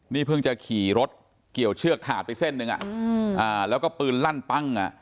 นี่เพิ่งจะขี่รถเกี่ยวเชือกถาดไปเส้นหนึ่งแล้วก็ปืนลั่นปั้ง